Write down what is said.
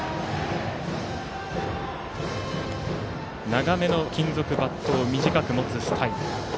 長めの金属バットを短く持つスタイル。